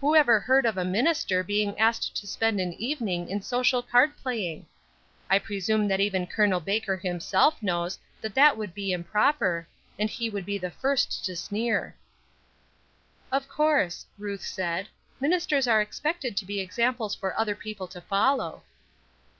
Who ever heard of a minister being asked to spend an evening in social card playing! I presume that even Col. Baker himself knows that that would be improper, and he would be the first to sneer." "Of course," Ruth said, "ministers were expected to be examples for other people to follow."